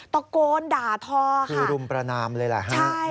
ตะโกนด่าทอค่ะคือรุมปรนามเลยล่ะ